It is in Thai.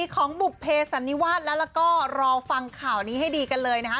ของบุภเพสันนิวาสแล้วก็รอฟังข่าวนี้ให้ดีกันเลยนะคะ